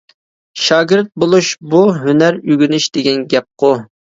شاگىرت بولۇش — بۇ ھۈنەر ئۆگىنىش دېگەن گەپقۇ.